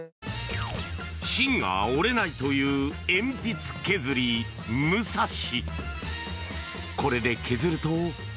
芯が折れないという鉛筆削り６３４。